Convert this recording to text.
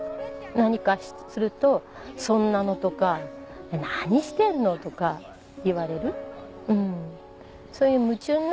何かすると「そんなの」とか「何してんの」とか言われる。